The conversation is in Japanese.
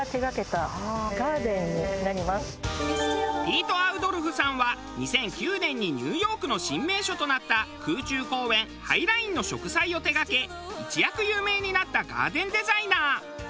ピィト・アゥドルフさんは２００９年にニューヨークの新名所となった空中公園ハイラインの植栽を手がけ一躍有名になったガーデンデザイナー。